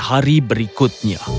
lihat hari berikutnya